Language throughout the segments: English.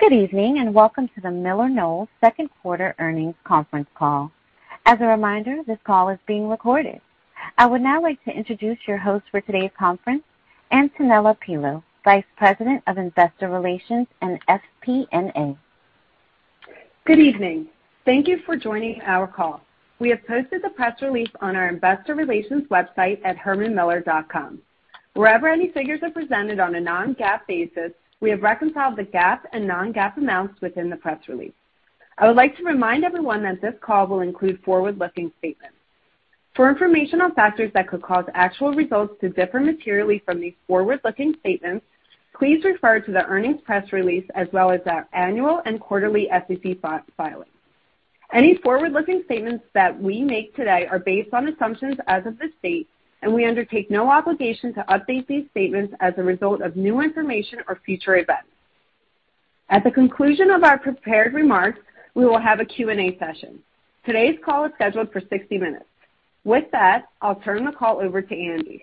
Good evening, and welcome to the MillerKnoll second quarter earnings conference call. As a reminder, this call is being recorded. I would now like to introduce your host for today's conference, Antonella Pilò, Vice President of Investor Relations and FP&A. Good evening. Thank you for joining our call. We have posted the press release on our investor relations website at hermanmiller.com. Wherever any figures are presented on a non-GAAP basis, we have reconciled the GAAP and non-GAAP amounts within the press release. I would like to remind everyone that this call will include forward-looking statements. For information on factors that could cause actual results to differ materially from these forward-looking statements, please refer to the earnings press release as well as our annual and quarterly SEC filings. Any forward-looking statements that we make today are based on assumptions as of this date, and we undertake no obligation to update these statements as a result of new information or future events. At the conclusion of our prepared remarks, we will have a Q&A session. Today's call is scheduled for 60 minutes. With that, I'll turn the call over to Andi.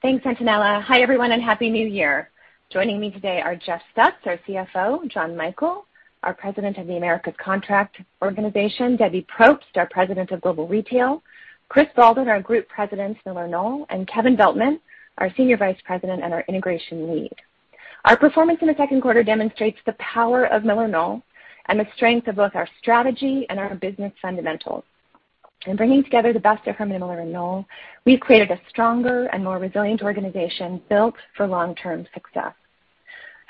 Thanks, Antonella. Hi, everyone, and happy New Year. Joining me today are Jeff Stutz, our CFO, John Michael, our President of the Americas Contract Organization, Debbie Propst, our President of Global Retail, Chris Baldwin, our Group President, MillerKnoll, and Kevin Veltman, our Senior Vice President and our Integration Lead. Our performance in the second quarter demonstrates the power of MillerKnoll and the strength of both our strategy and our business fundamentals. In bringing together the best of Herman Miller and Knoll, we've created a stronger and more resilient organization built for long-term success.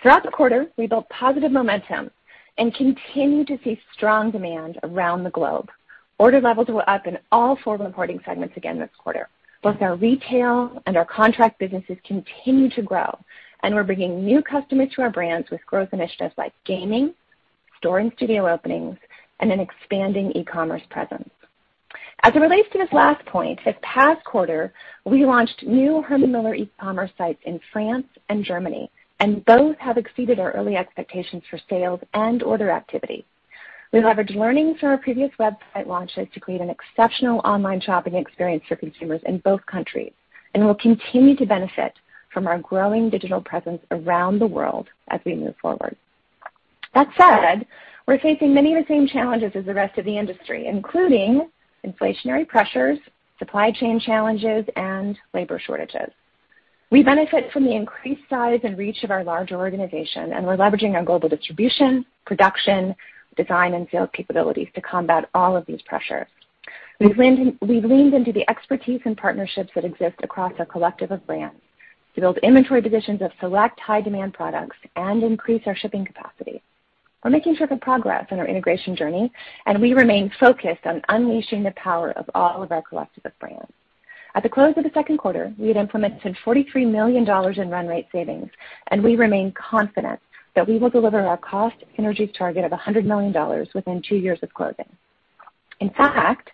Throughout the quarter, we built positive momentum and continued to see strong demand around the globe. Order levels were up in all four reporting segments again this quarter. Both our retail and our contract businesses continue to grow, and we're bringing new customers to our brands with growth initiatives like gaming, store and studio openings, and an expanding e-commerce presence. As it relates to this last point, this past quarter, we launched new Herman Miller e-commerce sites in France and Germany, and both have exceeded our early expectations for sales and order activity. We leveraged learnings from our previous website launches to create an exceptional online shopping experience for consumers in both countries and will continue to benefit from our growing digital presence around the world as we move forward. That said, we're facing many of the same challenges as the rest of the industry, including inflationary pressures, supply chain challenges, and labor shortages. We benefit from the increased size and reach of our larger organization, and we're leveraging our global distribution, production, design, and field capabilities to combat all of these pressures. We've leaned into the expertise and partnerships that exist across our collective of brands to build inventory positions of select high-demand products and increase our shipping capacity. We're making certain progress on our integration journey, and we remain focused on unleashing the power of all of our collective of brands. At the close of the second quarter, we had implemented $43 million in run rate savings, and we remain confident that we will deliver our cost synergies target of $100 million within two years of closing. In fact,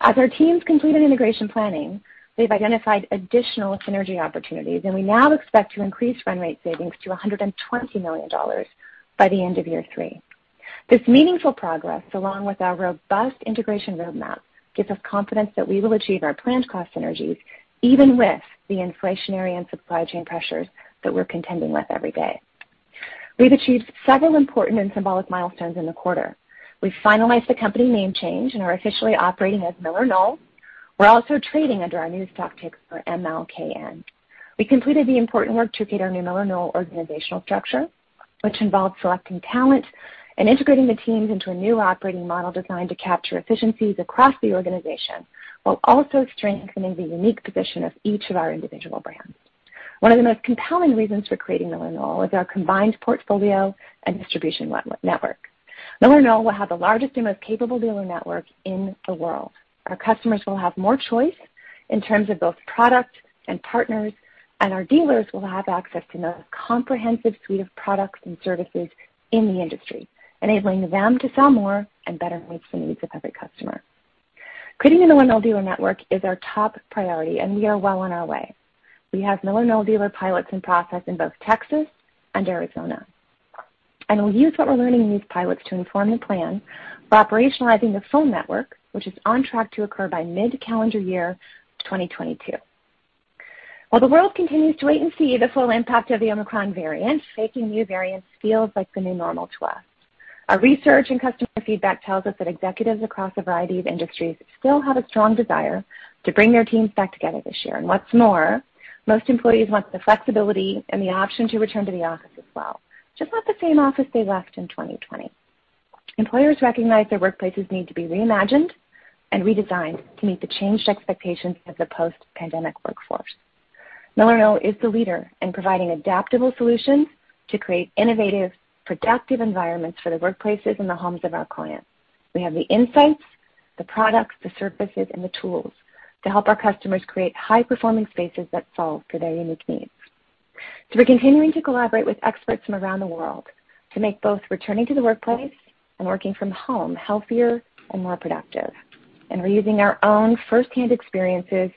as our teams completed integration planning, they've identified additional synergy opportunities, and we now expect to increase run rate savings to $120 million by the end of year three. This meaningful progress, along with our robust integration roadmap, gives us confidence that we will achieve our planned cost synergies even with the inflationary and supply chain pressures that we're contending with every day. We've achieved several important and symbolic milestones in the quarter. We finalized the company name change and are officially operating as MillerKnoll. We're also trading under our new stock ticker, MLKN. We completed the important work to create our new MillerKnoll organizational structure, which involved selecting talent and integrating the teams into a new operating model designed to capture efficiencies across the organization while also strengthening the unique position of each of our individual brands. One of the most compelling reasons for creating MillerKnoll is our combined portfolio and distribution network. MillerKnoll will have the largest and most capable dealer network in the world. Our customers will have more choice in terms of both product and partners, and our dealers will have access to the most comprehensive suite of products and services in the industry, enabling them to sell more and better meet the needs of every customer. Creating the MillerKnoll dealer network is our top priority, and we are well on our way. We have MillerKnoll dealer pilots in process in both Texas and Arizona, and we'll use what we're learning in these pilots to inform the plan for operationalizing the full network, which is on track to occur by mid-calendar year 2022. While the world continues to wait and see the full impact of the Omicron variant, facing new variants feels like the new normal to us. Our research and customer feedback tells us that executives across a variety of industries still have a strong desire to bring their teams back together this year. What's more, most employees want the flexibility and the option to return to the office as well, just not the same office they left in 2020. Employers recognize their workplaces need to be reimagined and redesigned to meet the changed expectations of the post-pandemic workforce. MillerKnoll is the leader in providing adaptable solutions to create innovative, productive environments for the workplaces and the homes of our clients. We have the insights, the products, the services, and the tools to help our customers create high-performing spaces that solve for their unique needs. We're continuing to collaborate with experts from around the world to make both returning to the workplace and working from home healthier and more productive. We're using our own firsthand experiences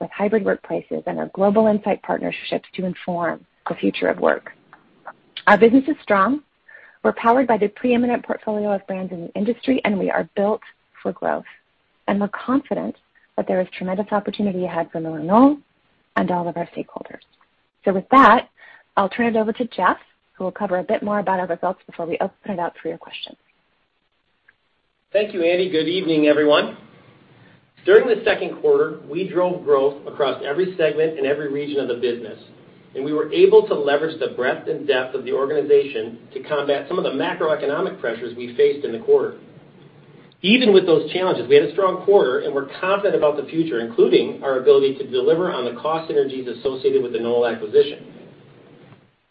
with hybrid workplaces and our global insight partnerships to inform the future of work. Our business is strong. We're powered by the preeminent portfolio of brands in the industry, and we are built for growth. We're confident that there is tremendous opportunity ahead for Knoll and all of our stakeholders. With that, I'll turn it over to Jeff, who will cover a bit more about our results before we open it up for your questions. Thank you, Andi. Good evening, everyone. During the second quarter, we drove growth across every segment and every region of the business, and we were able to leverage the breadth and depth of the organization to combat some of the macroeconomic pressures we faced in the quarter. Even with those challenges, we had a strong quarter, and we're confident about the future, including our ability to deliver on the cost synergies associated with the Knoll acquisition.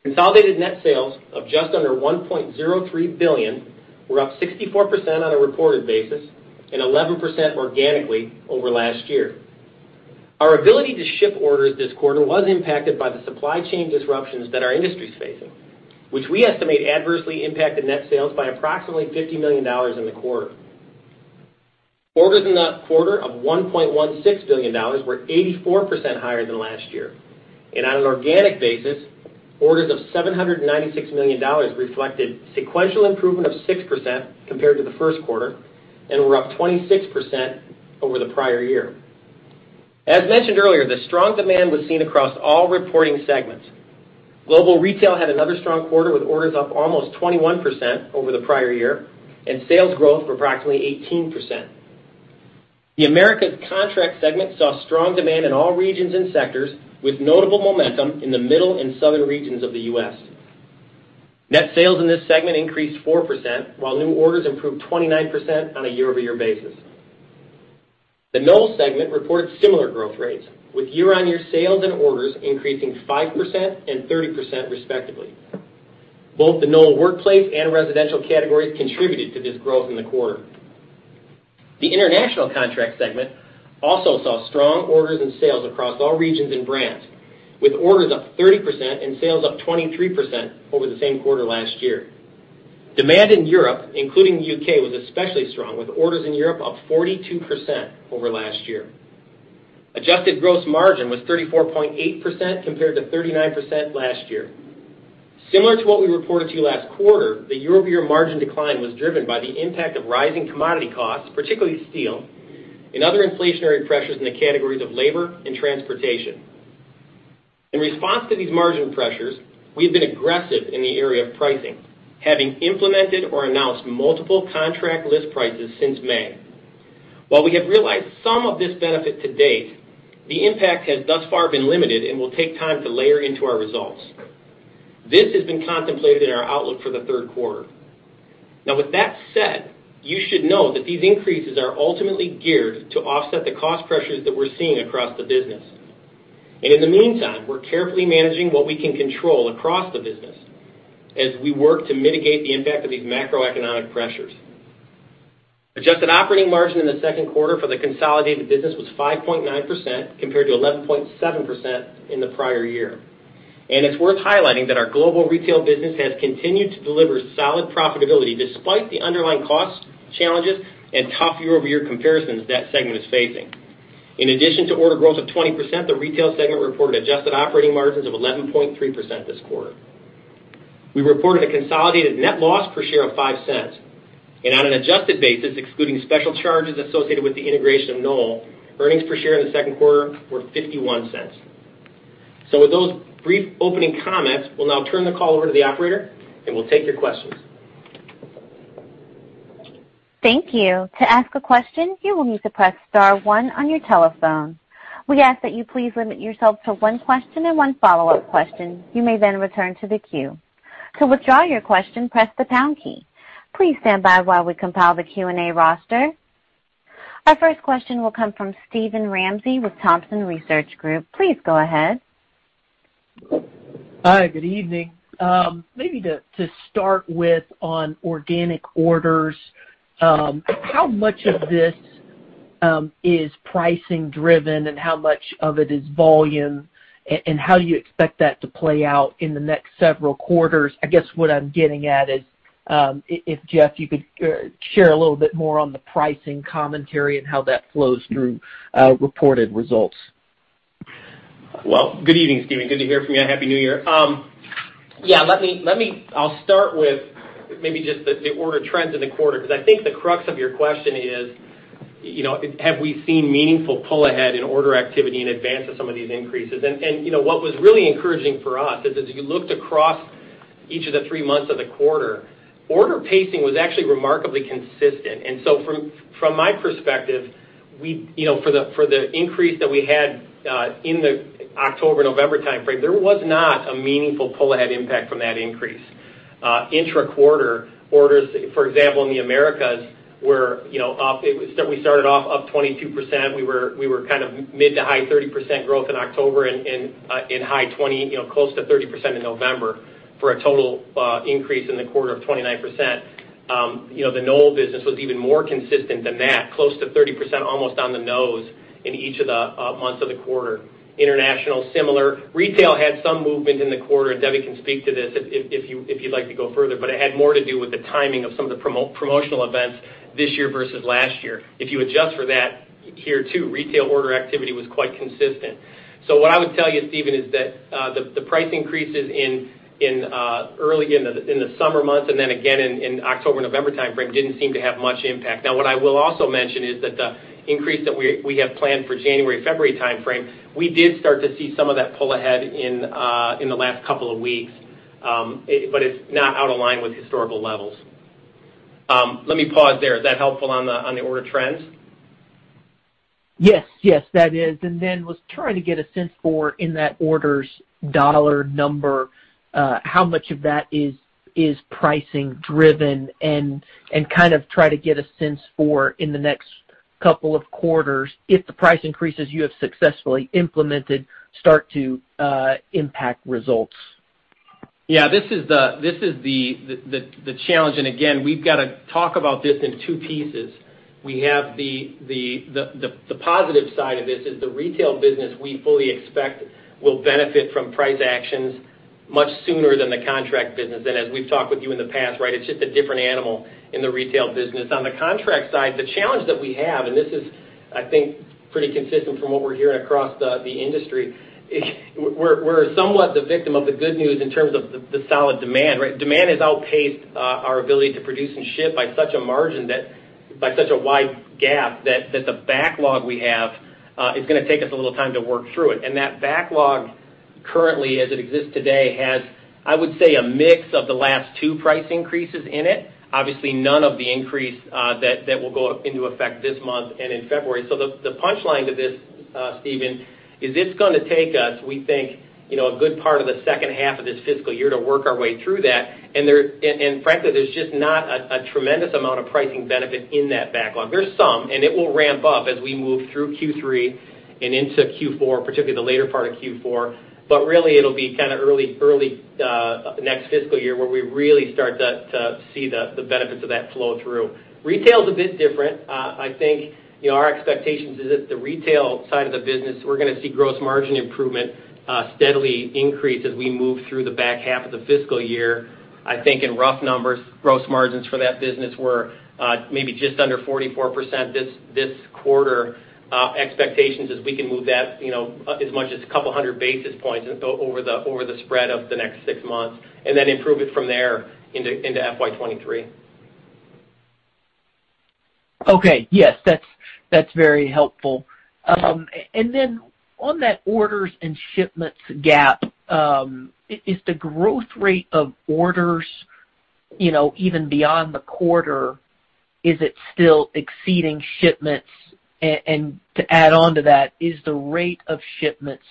Consolidated net sales of just under $1.03 billion were up 64% on a reported basis and 11% organically over last year. Our ability to ship orders this quarter was impacted by the supply chain disruptions that our industry is facing, which we estimate adversely impacted net sales by approximately $50 million in the quarter. Orders in the quarter of $1.16 billion were 84% higher than last year. On an organic basis, orders of $796 million reflected sequential improvement of 6% compared to the first quarter and were up 26% over the prior year. As mentioned earlier, the strong demand was seen across all reporting segments. Global Retail had another strong quarter, with orders up almost 21% over the prior year and sales growth of approximately 18%. The Americas Contract segment saw strong demand in all regions and sectors, with notable momentum in the middle and southern regions of the U.S. Net sales in this segment increased 4%, while new orders improved 29% on a year-over-year basis. The Knoll segment reports similar growth rates, with year-over-year sales and orders increasing 5% and 30%, respectively. Both the Knoll workplace and residential categories contributed to this growth in the quarter. The International Contract segment also saw strong orders and sales across all regions and brands, with orders up 30% and sales up 23% over the same quarter last year. Demand in Europe, including the U.K., was especially strong, with orders in Europe up 42% over last year. Adjusted gross margin was 34.8% compared to 39% last year. Similar to what we reported to you last quarter, the year-over-year margin decline was driven by the impact of rising commodity costs, particularly steel and other inflationary pressures in the categories of labor and transportation. In response to these margin pressures, we have been aggressive in the area of pricing, having implemented or announced multiple contract list prices since May. While we have realized some of this benefit to date, the impact has thus far been limited and will take time to layer into our results. This has been contemplated in our outlook for the third quarter. Now, with that said, you should know that these increases are ultimately geared to offset the cost pressures that we're seeing across the business. In the meantime, we're carefully managing what we can control across the business as we work to mitigate the impact of these macroeconomic pressures. Adjusted operating margin in the second quarter for the consolidated business was 5.9% compared to 11.7% in the prior year. It's worth highlighting that our Global Retail business has continued to deliver solid profitability despite the underlying cost challenges and tough year-over-year comparisons that segment is facing. In addition to order growth of 20%, the Retail segment reported adjusted operating margins of 11.3% this quarter. We reported a consolidated net loss per share of $0.05 and on an adjusted basis, excluding special charges associated with the integration of Knoll, earnings per share in the second quarter were $0.51. With those brief opening comments, we'll now turn the call over to the operator and we'll take your questions. Thank you. To ask a question, you will need to press star one on your telephone. We ask that you please limit yourself to one question and one follow-up question. You may then return to the queue. To withdraw your question, press the pound key. Please stand by while we compile the Q&A roster. Our first question will come from Steven Ramsey with Thompson Research Group. Please go ahead. Hi, good evening. Maybe to start with on organic orders, how much of this is pricing driven and how much of it is volume? How do you expect that to play out in the next several quarters? I guess what I'm getting at is, if Jeff, you could share a little bit more on the pricing commentary and how that flows through reported results. Well, good evening, Steven. Good to hear from you and happy New Year. Yeah, let me start with maybe just the order trends in the quarter, because I think the crux of your question is, you know, have we seen meaningful pull ahead in order activity in advance of some of these increases? What was really encouraging for us is as you looked across each of the three months of the quarter, order pacing was actually remarkably consistent. From my perspective, for the increase that we had in the October, November time frame, there was not a meaningful pull ahead impact from that increase. Intra-quarter orders, for example, in the Americas were up. We started off up 22%. We were kind of mid- to high-30% growth in October and high-20%, you know, close to 30% in November for a total increase in the quarter of 29%. You know, the Knoll business was even more consistent than that, close to 30%, almost on the nose in each of the months of the quarter. International, similar. Retail had some movement in the quarter, and Debbie can speak to this if you'd like to go further, but it had more to do with the timing of some of the promotional events this year versus last year. If you adjust for that, here too, retail order activity was quite consistent. What I would tell you, Steven, is that the price increases in early in the summer months and then again in October, November time frame didn't seem to have much impact. What I will also mention is that the increase that we have planned for January, February time frame, we did start to see some of that pull ahead in the last couple of weeks. It's not out of line with historical levels. Let me pause there. Is that helpful on the order trends? Yes. Yes, that is. I was trying to get a sense for in that orders dollar number, how much of that is pricing driven and kind of try to get a sense for in the next couple of quarters, if the price increases you have successfully implemented start to impact results. This is the challenge. Again, we've gotta talk about this in two pieces. We have the positive side of this is the retail business we fully expect will benefit from price actions much sooner than the contract business. As we've talked with you in the past, right, it's just a different animal in the retail business. On the contract side, the challenge that we have, and this is, I think, pretty consistent from what we're hearing across the industry, we're somewhat the victim of the good news in terms of the solid demand, right? Demand has outpaced our ability to produce and ship by such a wide gap that the backlog we have is gonna take us a little time to work through it. That backlog currently, as it exists today, has, I would say, a mix of the last two price increases in it. Obviously, none of the increase that will go into effect this month and in February. The punch line to this, Steven, is it's gonna take us, we think, you know, a good part of the second half of this fiscal year to work our way through that. Frankly, there's just not a tremendous amount of pricing benefit in that backlog. There's some, and it will ramp up as we move through Q3 and into Q4, particularly the later part of Q4. Really it'll be kinda early next fiscal year where we really start to see the benefits of that flow through. Retail is a bit different. I think, you know, our expectations is that the retail side of the business, we're gonna see gross margin improvement, steadily increase as we move through the back half of the fiscal year. I think in rough numbers, gross margins for that business were, maybe just under 44% this quarter. Expectations is we can move that, you know, as much as a couple hundred basis points over the spread of the next six months, and then improve it from there into FY 2023. Okay. Yes. That's very helpful. Then on that orders and shipments gap, is the growth rate of orders, you know, even beyond the quarter, is it still exceeding shipments? To add on to that, is the rate of shipments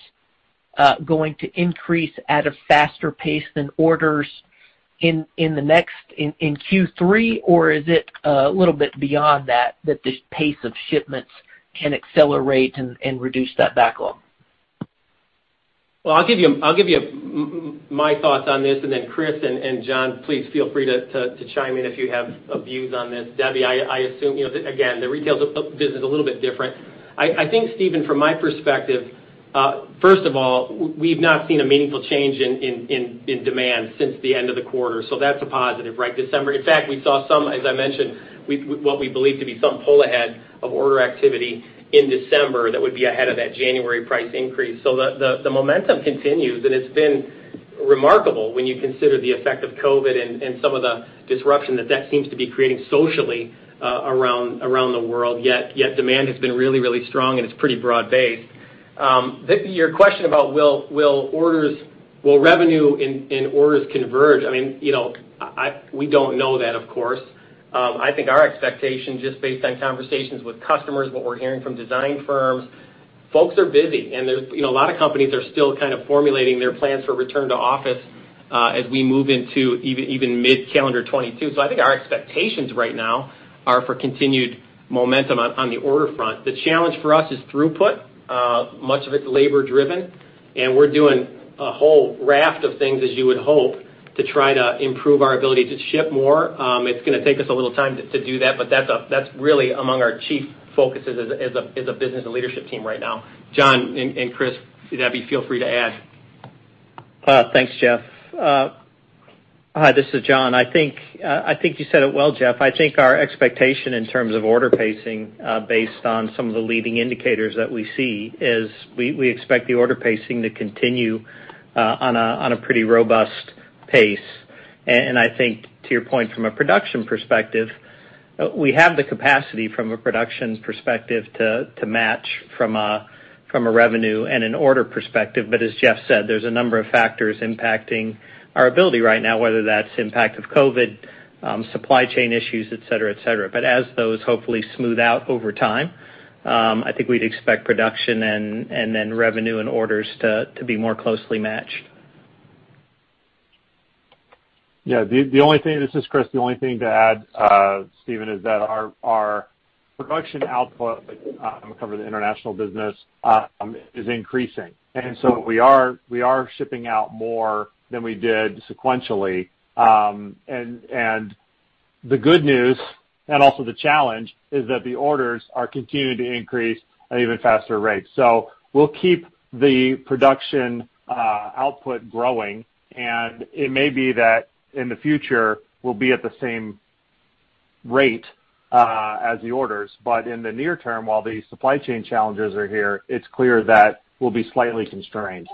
going to increase at a faster pace than orders in Q3? Is it a little bit beyond that this pace of shipments can accelerate and reduce that backlog? Well, I'll give you my thoughts on this, and then Chris and John, please feel free to chime in if you have views on this. Debbie, I assume, you know, again, the retail business is a little bit different. I think, Steven, from my perspective, first of all, we've not seen a meaningful change in demand since the end of the quarter. That's a positive, right? December, in fact, we saw some, as I mentioned, what we believe to be some pull ahead of order activity in December that would be ahead of that January price increase. The momentum continues, and it's been remarkable when you consider the effect of COVID and some of the disruption that that seems to be creating socially around the world. Yet demand has been really strong, and it's pretty broad-based. Your question about whether orders and revenue will converge? I mean, you know, we don't know that, of course. I think our expectation, just based on conversations with customers, what we're hearing from design firms, folks are busy, and there's, you know, a lot of companies are still kind of formulating their plans for return to office, as we move into even mid-calendar 2022. So I think our expectations right now are for continued momentum on the order front. The challenge for us is throughput. Much of it's labor-driven, and we're doing a whole raft of things, as you would hope, to try to improve our ability to ship more. It's gonna take us a little time to do that, but that's really among our chief focuses as a business and leadership team right now. John and Chris, Debbie, feel free to add. Thanks, Jeff. Hi, this is John. I think you said it well, Jeff. I think our expectation in terms of order pacing, based on some of the leading indicators that we see is we expect the order pacing to continue, on a pretty robust pace. I think to your point from a production perspective, we have the capacity from a production perspective to match from a revenue and an order perspective. As Jeff said, there's a number of factors impacting our ability right now, whether that's impact of COVID, supply chain issues, et cetera. As those hopefully smooth out over time, I think we'd expect production and then revenue and orders to be more closely matched. Yeah. This is Chris. The only thing to add, Steven, is that our production output to cover the international business is increasing. We are shipping out more than we did sequentially. The good news, and also the challenge, is that the orders are continuing to increase at even faster rates. We'll keep the production output growing, and it may be that in the future, we'll be at the same rate as the orders. In the near term, while the supply chain challenges are here, it's clear that we'll be slightly constrained.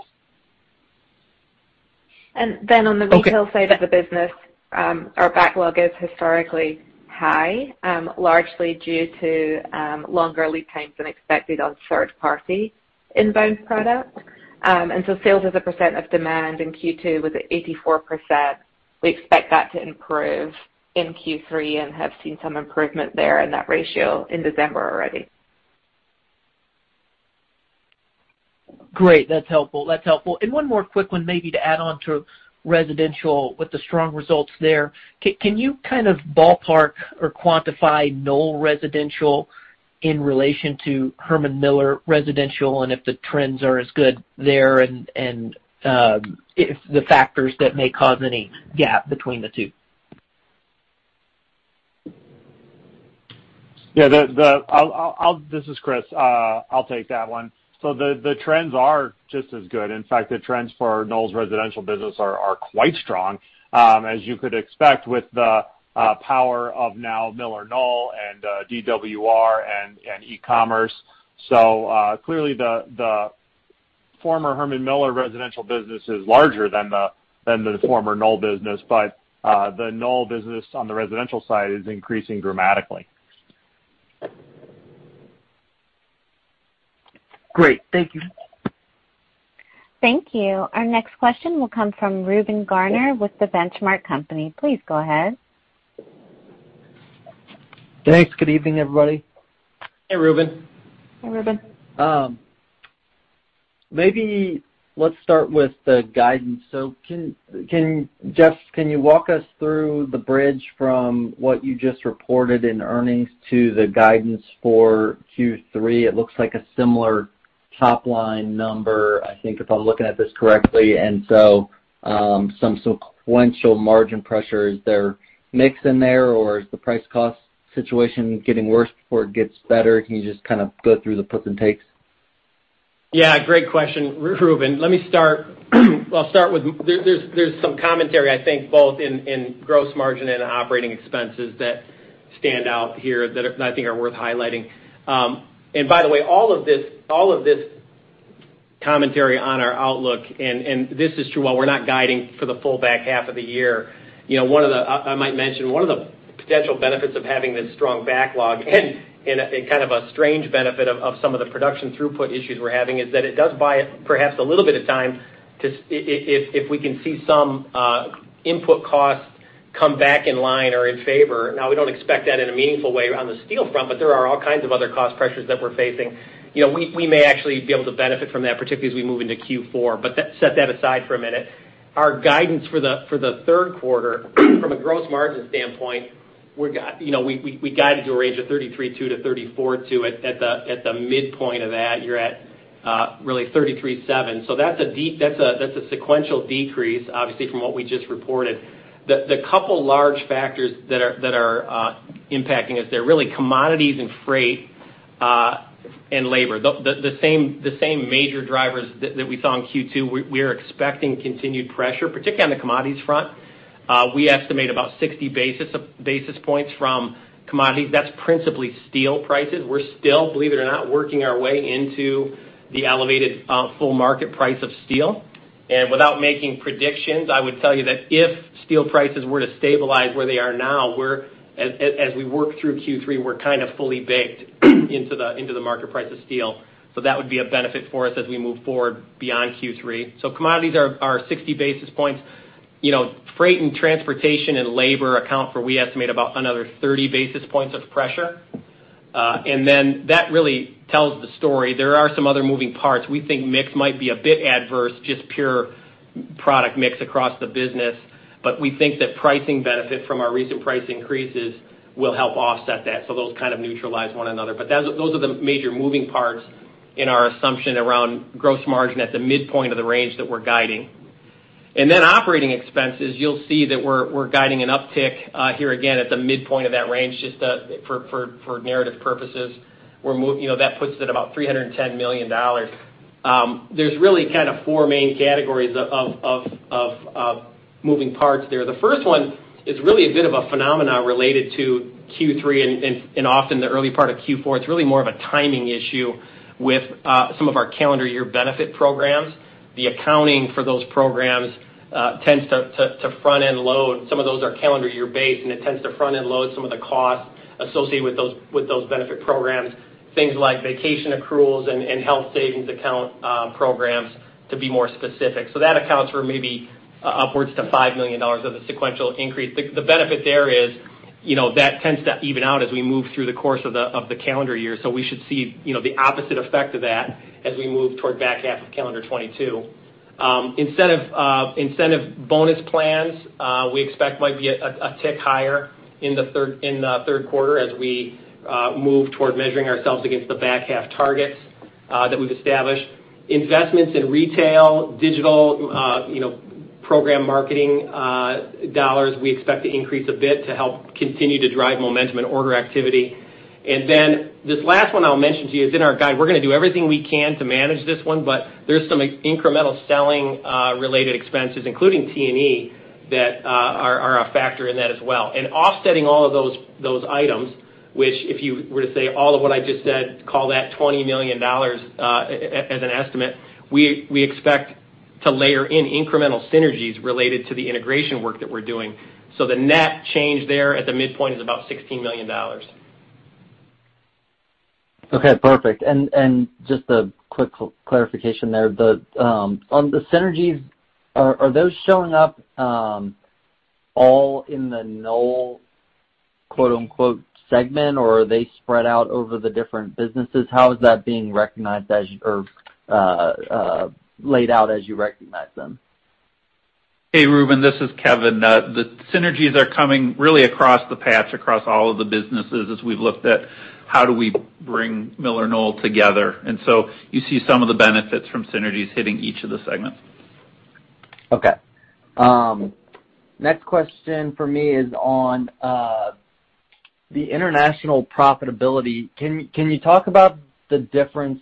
On the retail side of the business, our backlog is historically high, largely due to longer lead times than expected on third-party inbound products. Sales as a percent of demand in Q2 was at 84%. We expect that to improve in Q3 and have seen some improvement there in that ratio in December already. Great. That's helpful. One more quick one maybe to add on to residential with the strong results there. Can you kind of ballpark or quantify Knoll Residential in relation to Herman Miller residential, and if the trends are as good there and if the factors that may cause any gap between the two? This is Chris. I'll take that one. The trends are just as good. In fact, the trends for Knoll's residential business are quite strong, as you could expect with the power of now MillerKnoll and DWR and e-commerce. Clearly, the former Herman Miller residential business is larger than the former Knoll business. The Knoll business on the residential side is increasing dramatically. Great. Thank you. Thank you. Our next question will come from Reuben Garner with The Benchmark Company. Please go ahead. Thanks. Good evening, everybody. Hey, Reuben. Hi, Reuben. Maybe let's start with the guidance. Can Jeff walk us through the bridge from what you just reported in earnings to the guidance for Q3? It looks like a similar top line number, I think, if I'm looking at this correctly. Some sequential margin pressure, is there mix in there or is the price cost situation getting worse before it gets better? Can you just kind of go through the puts and takes? Yeah, great question, Reuben. Let me start with there's some commentary, I think, both in gross margin and operating expenses that stand out here that I think are worth highlighting. By the way, all of this commentary on our outlook, and this is true, while we're not guiding for the full back half of the year. You know, one of the potential benefits of having this strong backlog and kind of a strange benefit of some of the production throughput issues we're having is that it does buy perhaps a little bit of time to if we can see some input costs come back in line or in favor. Now, we don't expect that in a meaningful way on the steel front, but there are all kinds of other cost pressures that we're facing. You know, we may actually be able to benefit from that, particularly as we move into Q4. Set that aside for a minute. Our guidance for the third quarter, from a gross margin standpoint, you know, we guided to a range of 33.2%-34.2%. At the midpoint of that, you're at really 33.7%. So that's a sequential decrease, obviously, from what we just reported. The couple large factors that are impacting us, they're really commodities and freight and labor. The same major drivers that we saw in Q2, we're expecting continued pressure, particularly on the commodities front. We estimate about 60 basis points from commodities. That's principally steel prices. We're still, believe it or not, working our way into the elevated full market price of steel. Without making predictions, I would tell you that if steel prices were to stabilize where they are now, as we work through Q3, we're kind of fully baked into the market price of steel. That would be a benefit for us as we move forward beyond Q3. Commodities are 60 basis points. You know, freight and transportation and labor account for, we estimate, about another 30 basis points of pressure. Then that really tells the story. There are some other moving parts. We think mix might be a bit adverse, just pure product mix across the business. We think that pricing benefit from our recent price increases will help offset that. Those kind of neutralize one another. Those are the major moving parts in our assumption around gross margin at the midpoint of the range that we're guiding. Then operating expenses, you'll see that we're guiding an uptick here again at the midpoint of that range just for narrative purposes. You know, that puts it about $310 million. There's really kind of four main categories of moving parts there. The first one is really a bit of a phenomenon related to Q3 and often the early part of Q4. It's really more of a timing issue with some of our calendar year benefit programs. The accounting for those programs tends to front-end load. Some of those are calendar year based, and it tends to front-end load some of the costs associated with those benefit programs, things like vacation accruals and health savings account programs, to be more specific. So that accounts for maybe upwards to $5 million of the sequential increase. The benefit there is, you know, that tends to even out as we move through the course of the calendar year. So we should see, you know, the opposite effect of that as we move toward back half of calendar 2022. Incentive bonus plans we expect might be a tick higher in the third quarter as we move toward measuring ourselves against the back half targets that we've established. Investments in retail, digital, you know, program marketing dollars, we expect to increase a bit to help continue to drive momentum and order activity. This last one I'll mention to you is in our guide. We're gonna do everything we can to manage this one, but there's some incremental selling related expenses, including T&E, that are a factor in that as well. Offsetting all of those items, which if you were to say all of what I just said, call that $20 million as an estimate, we expect to layer in incremental synergies related to the integration work that we're doing. The net change there at the midpoint is about $16 million. Okay, perfect. Just a quick clarification there. On the synergies, are those showing up all in the Knoll, quote-unquote, segment, or are they spread out over the different businesses? How is that being recognized or laid out as you recognize them? Hey, Reuben, this is Kevin. The synergies are coming really across the board, across all of the businesses as we've looked at how do we bring MillerKnoll together. You see some of the benefits from synergies hitting each of the segments. Okay. Next question for me is on the international profitability. Can you talk about the difference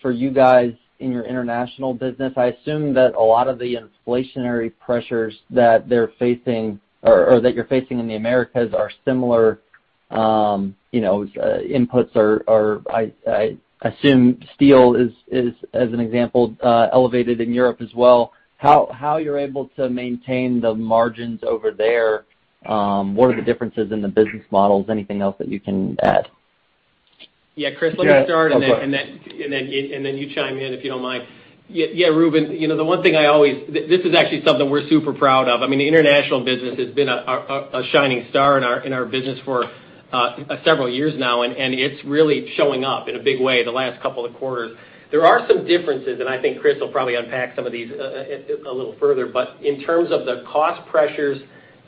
for you guys in your international business? I assume that a lot of the inflationary pressures that they're facing or that you're facing in the Americas are similar, you know, inputs or I assume steel is, as an example, elevated in Europe as well. How you're able to maintain the margins over there? What are the differences in the business models? Anything else that you can add? Yeah, Chris, let me start. Yeah. Oh, go ahead. You chime in, if you don't mind. Yeah, yeah, Reuben, you know, the one thing I always. This is actually something we're super proud of. I mean, the international business has been a shining star in our business for several years now, and it's really showing up in a big way the last couple of quarters. There are some differences, and I think Chris will probably unpack some of these a little further. In terms of the cost pressures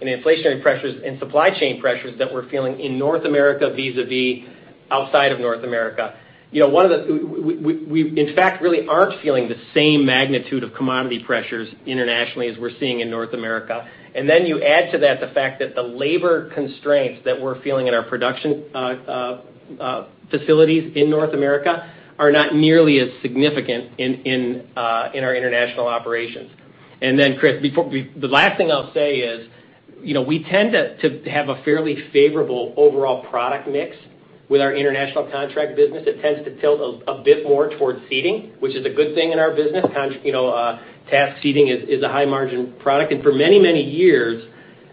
and inflationary pressures and supply chain pressures that we're feeling in North America vis-a-vis outside of North America, you know, one of the. We, in fact, really aren't feeling the same magnitude of commodity pressures internationally as we're seeing in North America. You add to that the fact that the labor constraints that we're feeling in our production facilities in North America are not nearly as significant in our international operations. Chris, the last thing I'll say is, you know, we tend to have a fairly favorable overall product mix with our International Contract business. It tends to tilt a bit more towards seating, which is a good thing in our business. You know, task seating is a high-margin product. For many years,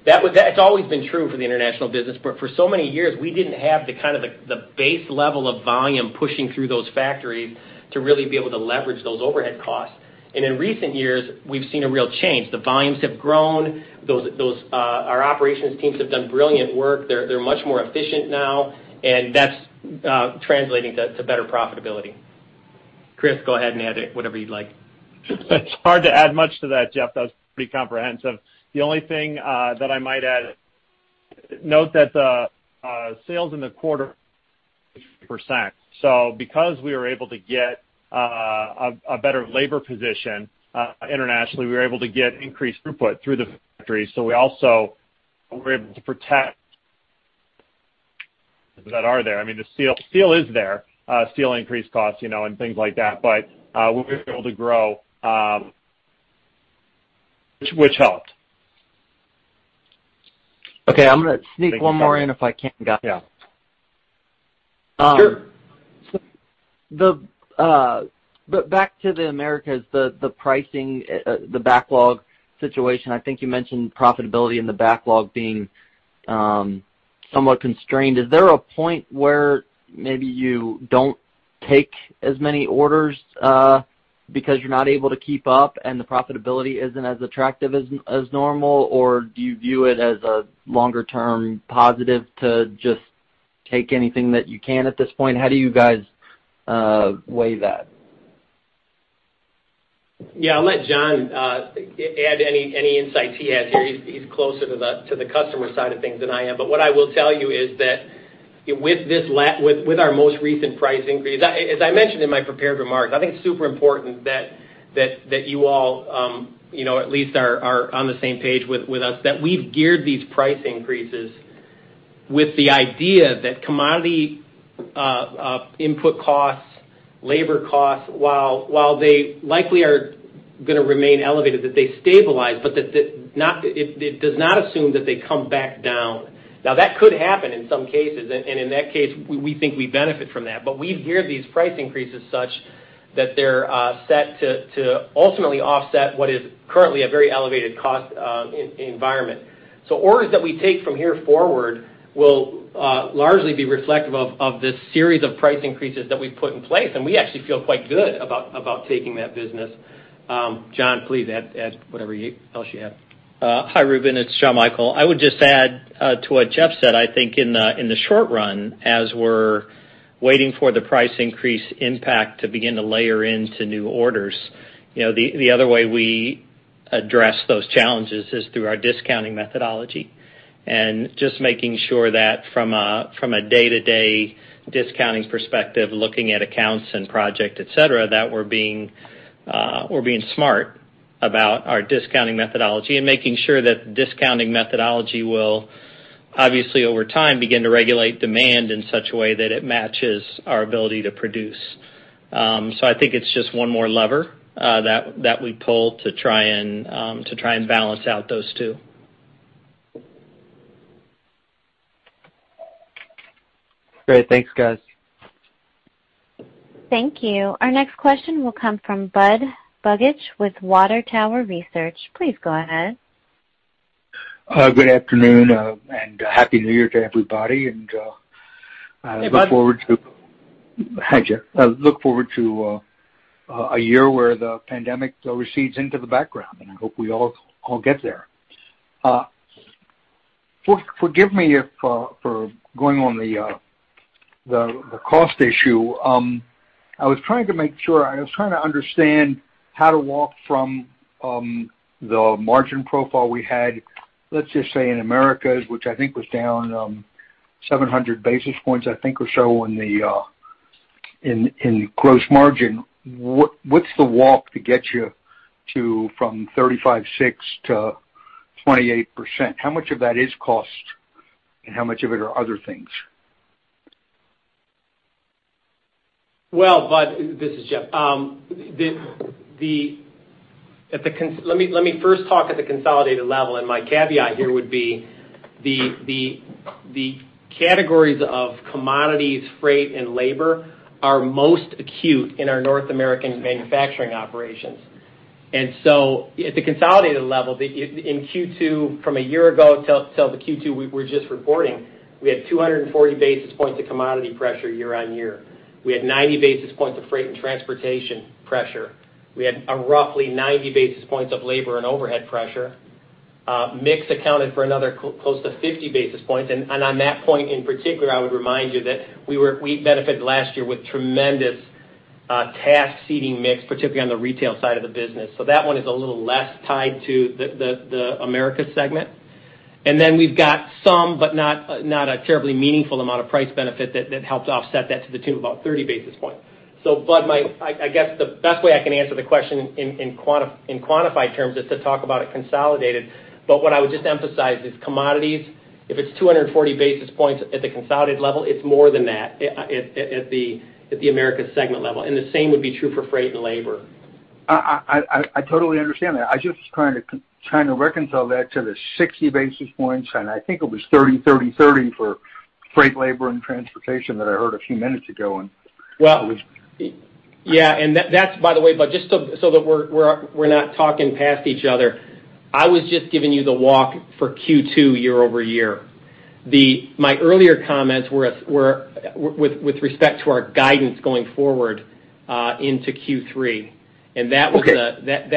that's always been true for the international business, but for so many years, we didn't have the kind of base level of volume pushing through those factories to really be able to leverage those overhead costs. In recent years, we've seen a real change. The volumes have grown. Those, our operations teams have done brilliant work. They're much more efficient now, and that's translating to better profitability. Chris, go ahead and add whatever you'd like. It's hard to add much to that, Jeff. That was pretty comprehensive. The only thing that I might add is that the sales in the quarter were up percent. Because we were able to get a better labor position internationally, we were able to get increased throughput through the factory. We also were able to protect margins there. I mean, the steel is there, steel increased costs, you know, and things like that. We were able to grow, which helped. Okay. I'm gonna sneak one more in if I can, guys. Yeah. Sure. Back to the Americas, the pricing, the backlog situation. I think you mentioned profitability in the backlog being somewhat constrained. Is there a point where maybe you don't take as many orders because you're not able to keep up and the profitability isn't as attractive as normal, or do you view it as a longer-term positive to just take anything that you can at this point? How do you guys weigh that? Yeah. I'll let John add any insights he has here. He's closer to the customer side of things than I am. What I will tell you is that with our most recent price increase, as I mentioned in my prepared remarks, I think it's super important that you all, you know, at least are on the same page with us, that we've geared these price increases with the idea that commodity input costs, labor costs, while they likely are gonna remain elevated, that they stabilize, but that it does not assume that they come back down. Now, that could happen in some cases, and in that case, we think we benefit from that. We've geared these price increases such that they're set to ultimately offset what is currently a very elevated cost environment. Orders that we take from here forward will largely be reflective of this series of price increases that we've put in place, and we actually feel quite good about taking that business. John, please add whatever else you have. Hi, Reuben. It's John Michael. I would just add to what Jeff said. I think in the short run, as we're waiting for the price increase impact to begin to layer into new orders, you know, the other way we address those challenges is through our discounting methodology. Just making sure that from a day-to-day discounting perspective, looking at accounts and project, et cetera, that we're being smart about our discounting methodology and making sure that the discounting methodology will obviously, over time, begin to regulate demand in such a way that it matches our ability to produce. I think it's just one more lever that we pull to try and balance out those two. Great. Thanks, guys. Thank you. Our next question will come from Budd Bugatch with Water Tower Research. Please go ahead. Good afternoon, and Happy New Year to everybody. I look forward to- Hey, Bud. Hi, Jeff. I look forward to a year where the pandemic recedes into the background, and I hope we all get there. Forgive me for going on the cost issue. I was trying to understand how to walk from the margin profile we had, let's just say in Americas, which I think was down 700 basis points, I think, or so in the gross margin. What's the walk to get you from 35.6%-28%? How much of that is cost, and how much of it are other things? Well, Budd, this is Jeff. Let me first talk at the consolidated level, and my caveat here would be the categories of commodities, freight, and labor are most acute in our North American manufacturing operations. At the consolidated level, in Q2 from a year ago to the Q2 we're just reporting, we had 240 basis points of commodity pressure year-on-year. We had 90 basis points of freight and transportation pressure. We had roughly 90 basis points of labor and overhead pressure. Mix accounted for another close to 50 basis points. On that point in particular, I would remind you that we benefited last year with tremendous task seating mix, particularly on the retail side of the business. That one is a little less tied to the Americas segment. Then we've got some, but not a terribly meaningful amount of price benefit that helped offset that to the tune of about 30 basis points. Bud, I guess the best way I can answer the question in quantified terms is to talk about it consolidated. What I would just emphasize is commodities, if it's 240 basis points at the consolidated level, it's more than that at the Americas segment level. The same would be true for freight and labor. I totally understand that. I'm just trying to reconcile that to the 60 basis points, and I think it was 30, 30 for freight, labor, and transportation that I heard a few minutes ago. Well, yeah, that's by the way, Bud, just so that we're not talking past each other. I was just giving you the walk for Q2 year-over-year. My earlier comments were with respect to our guidance going forward into Q3. Okay.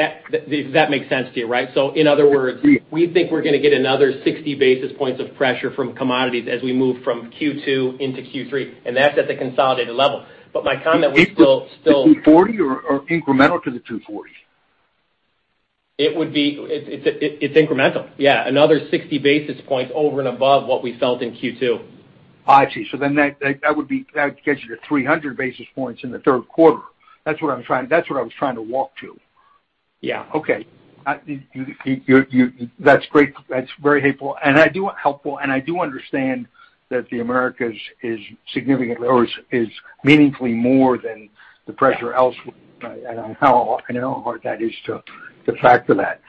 That makes sense to you, right? In other words- Yes. We think we're gonna get another 60 basis points of pressure from commodities as we move from Q2 into Q3, and that's at the consolidated level. My comment was still. The 240 or incremental to the 240? It's incremental, yeah. Another 60 basis points over and above what we felt in Q2. I see. That gets you to 300 basis points in the third quarter. That's what I was trying to walk to. Yeah. Okay. That's great. That's very helpful. I do understand that the Americas is significantly or is meaningfully more than the pressure elsewhere, right? I know how hard that is to factor that.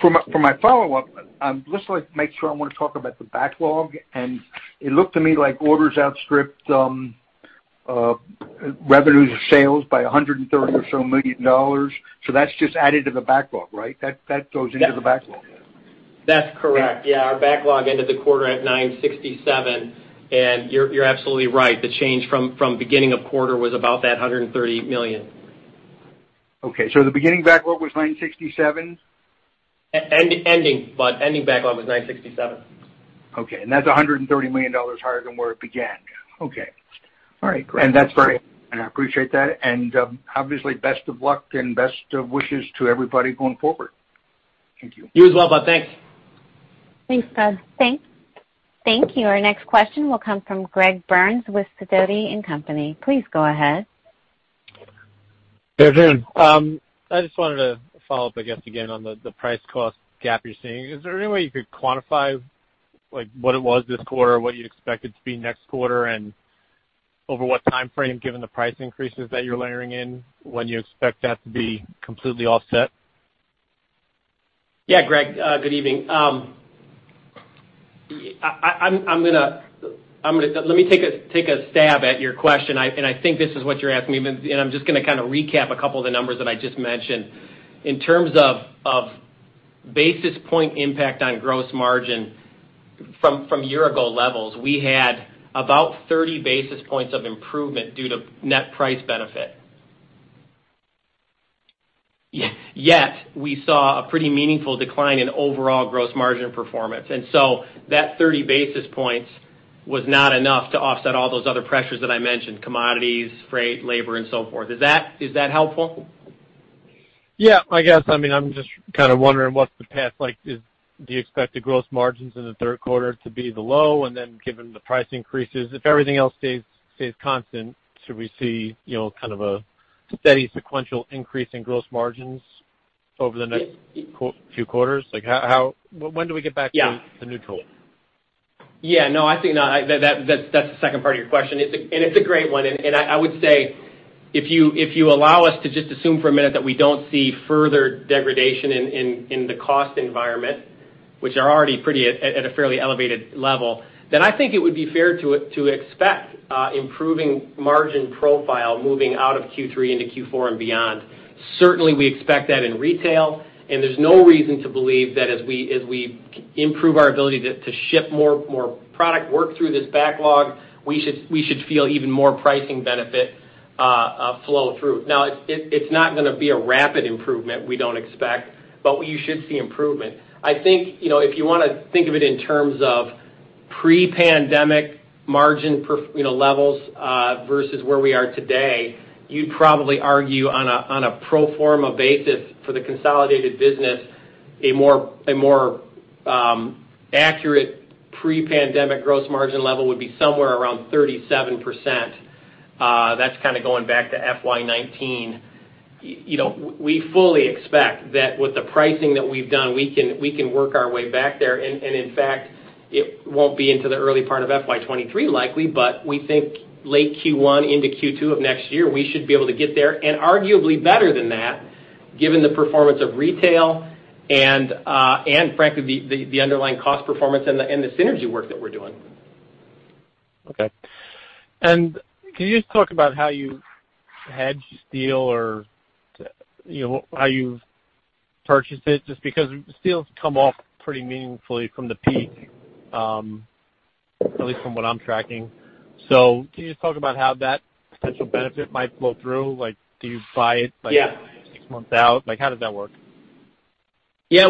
For my follow-up, just to make sure I wanna talk about the backlog. It looked to me like orders outstripped revenues or sales by $130 million or so. That's just added to the backlog, right? That goes into the backlog. That's correct. Yeah. Our backlog ended the quarter at $967 million, and you're absolutely right. The change from beginning of quarter was about that $130 million. Okay. The beginning backlog was $967 million? Ending, Bud. Ending backlog was $967 million. Okay. That's $130 million higher than where it began. Yeah. Okay. All right, great. I appreciate that. Obviously, best of luck and best of wishes to everybody going forward. Thank you. You as well, Bud. Thanks. Thanks, Bud. Thank you. Our next question will come from Greg Burns with Sidoti & Company. Please go ahead. Good evening. I just wanted to follow up, I guess again, on the price cost gap you're seeing. Is there any way you could quantify, like, what it was this quarter, what you expect it to be next quarter, and over what timeframe, given the price increases that you're layering in, when you expect that to be completely offset? Yeah, Greg, good evening. I'm gonna—let me take a stab at your question. I think this is what you're asking me, but I'm just gonna kinda recap a couple of the numbers that I just mentioned. In terms of basis point impact on gross margin from year ago levels, we had about 30 basis points of improvement due to net price benefit. Yet, we saw a pretty meaningful decline in overall gross margin performance. That 30 basis points was not enough to offset all those other pressures that I mentioned, commodities, freight, labor, and so forth. Is that helpful? Yeah, I guess. I mean, I'm just kinda wondering what's the path like. Do you expect the gross margins in the third quarter to be the low? Given the price increases, if everything else stays constant, should we see, you know, kind of a steady sequential increase in gross margins over the next few quarters? Like, how. When do we get back to- Yeah. The neutral? Yeah. No, I think. That's the second part of your question. It's a great one. I would say if you allow us to just assume for a minute that we don't see further degradation in the cost environment, which are already pretty at a fairly elevated level, then I think it would be fair to expect improving margin profile moving out of Q3 into Q4 and beyond. Certainly we expect that in retail, and there's no reason to believe that as we improve our ability to ship more product work through this backlog, we should feel even more pricing benefit flow through. Now it's not gonna be a rapid improvement, we don't expect, but you should see improvement. I think, you know, if you wanna think of it in terms of pre-pandemic margin levels, versus where we are today, you'd probably argue on a pro forma basis for the consolidated business, a more accurate pre-pandemic gross margin level would be somewhere around 37%. That's kinda going back to FY 2019. You know, we fully expect that with the pricing that we've done, we can work our way back there. In fact, it won't be into the early part of FY 2023 likely, but we think late Q1 into Q2 of next year, we should be able to get there. Arguably better than that, given the performance of retail and frankly, the underlying cost performance and the synergy work that we're doing. Okay. Can you just talk about how you hedge steel or, you know, how you've purchased it, just because steel's come off pretty meaningfully from the peak, at least from what I'm tracking. Can you just talk about how that potential benefit might flow through? Like, do you buy it like? Yeah. Six months out? Like, how does that work? Yeah,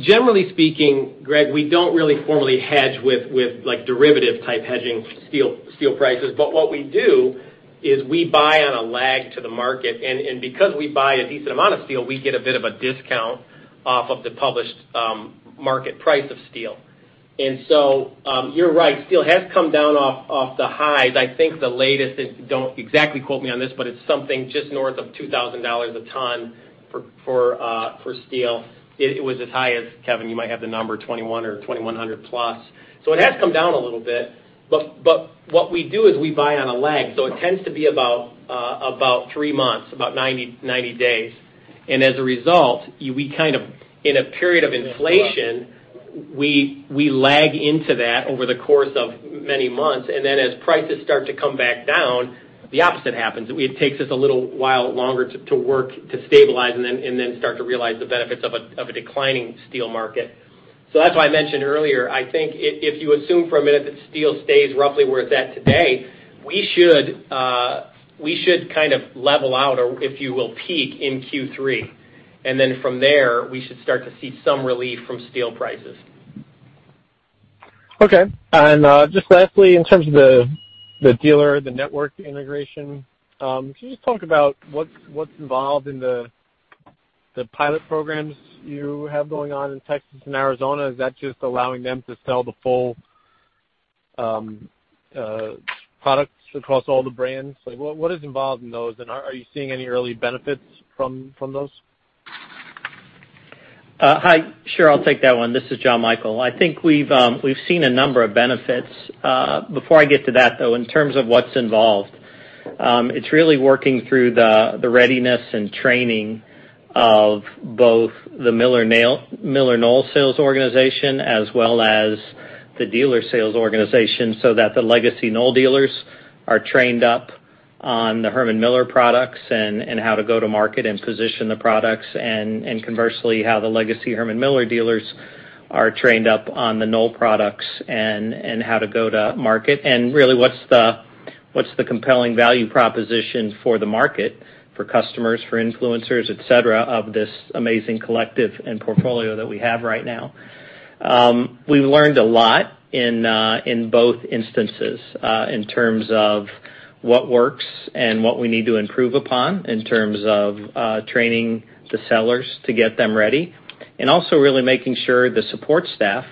generally speaking, Greg, we don't really formally hedge with like derivative type hedging steel prices. What we do is we buy on a lag to the market. Because we buy a decent amount of steel, we get a bit of a discount off of the published market price of steel. You're right, steel has come down off the highs. I think the latest is, don't exactly quote me on this, but it's something just north of $2,000 a ton for steel. It was as high as, Kevin, you might have the number, 2,100+. It has come down a little bit. What we do is we buy on a lag, so it tends to be about three months, about 90 days. As a result, we're kind of in a period of inflation, we lag into that over the course of many months, and then as prices start to come back down, the opposite happens. It takes us a little while longer to work to stabilize and then start to realize the benefits of a declining steel market. As I mentioned earlier, I think if you assume for a minute that steel stays roughly where it's at today, we should kind of level out or, if you will, peak in Q3. Then from there, we should start to see some relief from steel prices. Okay. Just lastly, in terms of the dealer, the network integration, can you just talk about what's involved in the pilot programs you have going on in Texas and Arizona? Is that just allowing them to sell the full products across all the brands? Like, what is involved in those, and are you seeing any early benefits from those? Hi. Sure, I'll take that one. This is John Michael. I think we've seen a number of benefits. Before I get to that, though, in terms of what's involved, it's really working through the readiness and training of both the MillerKnoll sales organization as well as the dealer sales organization, so that the legacy Knoll dealers are trained up on the Herman Miller products and how to go to market and position the products. Conversely, how the legacy Herman Miller dealers are trained up on the Knoll products and how to go to market. Really, what's the compelling value proposition for the market for customers, for influencers, et cetera, of this amazing collective and portfolio that we have right now. We've learned a lot in both instances in terms of what works and what we need to improve upon in terms of training the sellers to get them ready. Also really making sure the support staff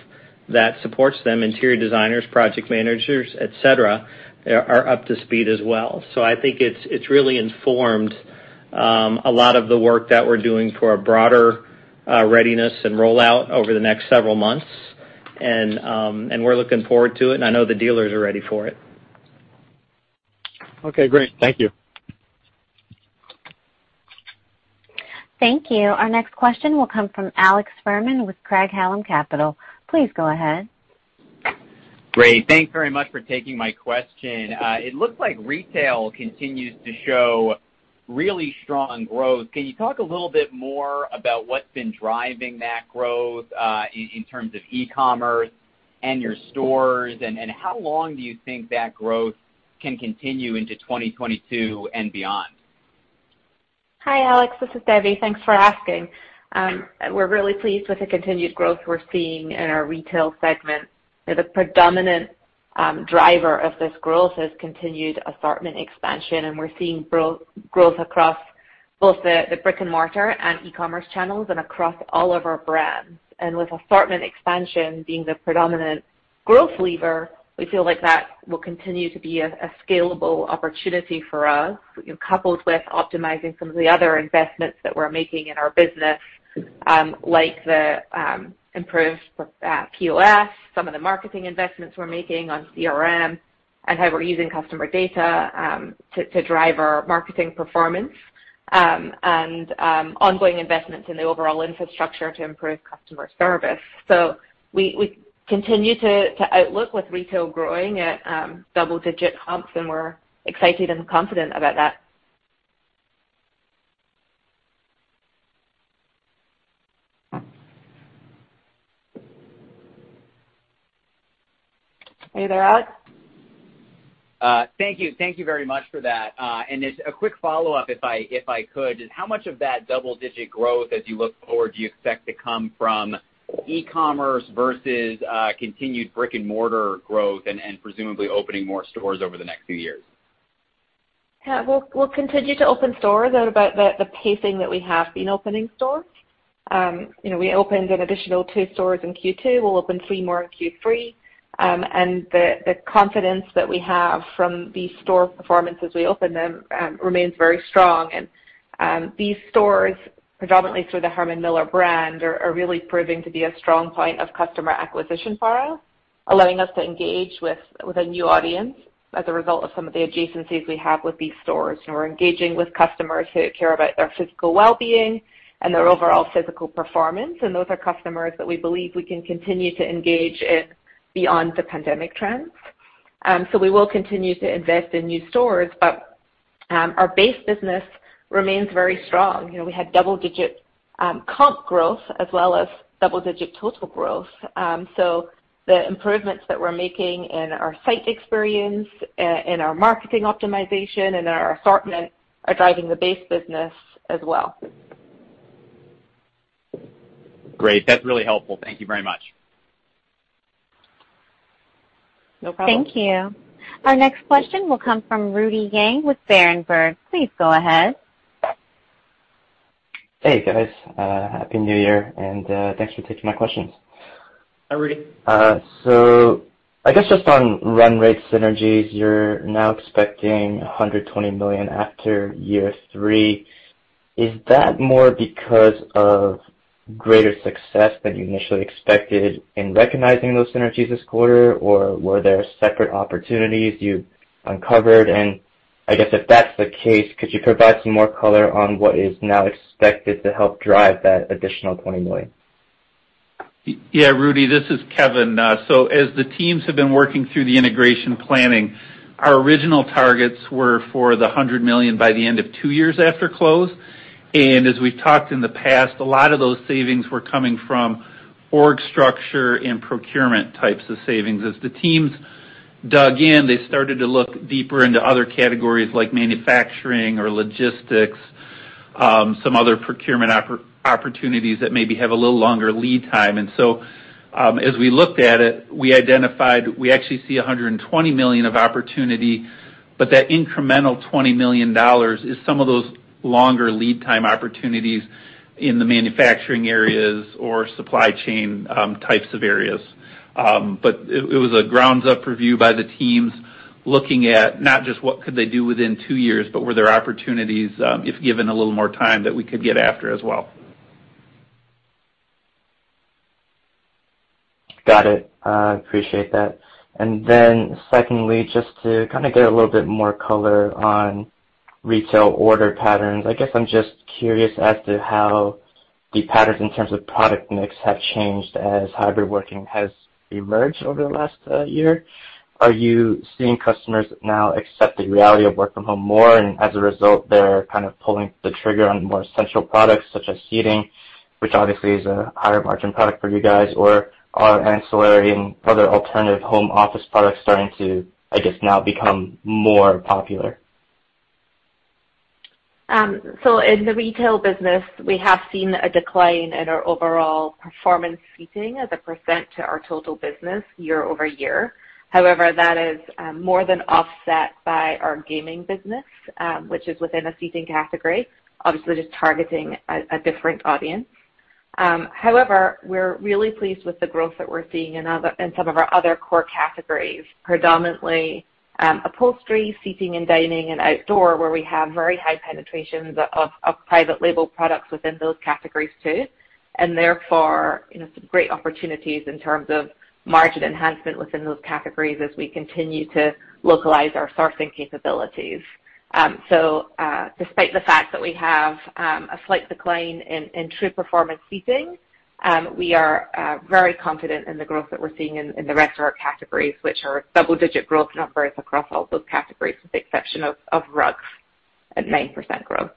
that supports them, interior designers, project managers, et cetera, are up to speed as well. I think it's really informed a lot of the work that we're doing for a broader readiness and rollout over the next several months. We're looking forward to it, and I know the dealers are ready for it. Okay, great. Thank you. Thank you. Our next question will come from Alex Fuhrman with Craig-Hallum Capital. Please go ahead. Great. Thanks very much for taking my question. It looks like retail continues to show really strong growth. Can you talk a little bit more about what's been driving that growth, in terms of e-commerce and your stores? How long do you think that growth can continue into 2022 and beyond? Hi, Alex. This is Debbie. Thanks for asking. We're really pleased with the continued growth we're seeing in our retail segment. The predominant driver of this growth is continued assortment expansion, and we're seeing growth across both the brick and mortar and e-commerce channels and across all of our brands. With assortment expansion being the predominant growth lever, we feel like that will continue to be a scalable opportunity for us, you know, coupled with optimizing some of the other investments that we're making in our business, like the improved POS, some of the marketing investments we're making on CRM, and how we're using customer data to drive our marketing performance. Ongoing investments in the overall infrastructure to improve customer service. We continue to outlook with retail growing at double-digit comps, and we're excited and confident about that. Are you there, Alex? Thank you. Thank you very much for that. Just a quick follow-up, if I could. Just how much of that double-digit growth as you look forward do you expect to come from e-commerce versus continued brick and mortar growth and presumably opening more stores over the next few years? Yeah. We'll continue to open stores at about the pacing that we have been opening stores. You know, we opened an additional two stores in Q2. We'll open three more in Q3. The confidence that we have from these store performances as we open them remains very strong. These stores, predominantly through the Herman Miller brand, are really proving to be a strong point of customer acquisition for us, allowing us to engage with a new audience as a result of some of the adjacencies we have with these stores. We're engaging with customers who care about their physical wellbeing and their overall physical performance, and those are customers that we believe we can continue to engage in beyond the pandemic trends. We will continue to invest in new stores, but our base business remains very strong. You know, we had double-digit comp growth as well as double-digit total growth. The improvements that we're making in our site experience, in our marketing optimization and in our assortment are driving the base business as well. Great. That's really helpful. Thank you very much. No problem. Thank you. Our next question will come from Rudy Yang with Berenberg. Please go ahead. Hey, guys. Happy New Year, and thanks for taking my questions. Hi, Rudy. I guess just on run rate synergies, you're now expecting $120 million after year three. Is that more because of greater success than you initially expected in recognizing those synergies this quarter? Were there separate opportunities you've uncovered? I guess if that's the case, could you provide some more color on what is now expected to help drive that additional $20 million? Yeah. Rudy, this is Kevin. So as the teams have been working through the integration planning, our original targets were for $100 million by the end of 2 years after close. As we've talked in the past, a lot of those savings were coming from org structure and procurement types of savings. As the teams dug in, they started to look deeper into other categories like manufacturing or logistics, some other procurement opportunities that maybe have a little longer lead time. As we looked at it, we identified we actually see $120 million of opportunity, but that incremental $20 million is some of those longer lead time opportunities in the manufacturing areas or supply chain types of areas. It was a ground-up review by the teams looking at not just what could they do within two years, but were there opportunities, if given a little more time, that we could get after as well. Got it. Appreciate that. Then secondly, just to kinda get a little bit more color on retail order patterns. I guess I'm just curious as to how the patterns in terms of product mix have changed as hybrid working has emerged over the last year. Are you seeing customers now accept the reality of work from home more, and as a result, they're kind of pulling the trigger on more essential products such as seating, which obviously is a higher margin product for you guys? Or are ancillary and other alternative home office products starting to, I guess, now become more popular? In the retail business, we have seen a decline in our overall performance seating as a percent to our total business year-over-year. However, that is more than offset by our gaming business, which is within a seating category, obviously just targeting a different audience. However, we're really pleased with the growth that we're seeing in other in some of our other core categories, predominantly upholstery, seating and dining, and outdoor, where we have very high penetrations of private label products within those categories too. Therefore, you know, some great opportunities in terms of margin enhancement within those categories as we continue to localize our sourcing capabilities. despite the fact that we have a slight decline in true performance seating, we are very confident in the growth that we're seeing in the rest of our categories, which are double digit growth numbers across all those categories, with the exception of rugs at 9% growth.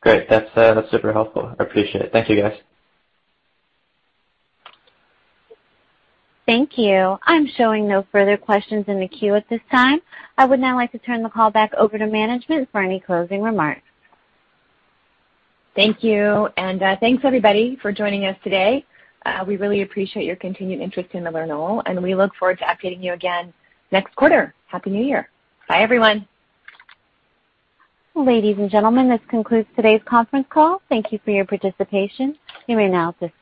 Great. That's super helpful. I appreciate it. Thank you, guys. Thank you. I'm showing no further questions in the queue at this time. I would now like to turn the call back over to management for any closing remarks. Thank you. Thanks everybody for joining us today. We really appreciate your continued interest in MillerKnoll, and we look forward to updating you again next quarter. Happy New Year. Bye everyone. Ladies and gentlemen, this concludes today's conference call. Thank you for your participation. You may now disconnect.